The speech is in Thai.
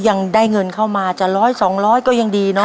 ยังได้เงินเข้ามาจะร้อยสองร้อยก็ยังดีเนาะ